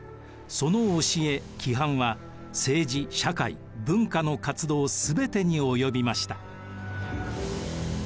その教え規範は政治社会文化の活動全てに及びました。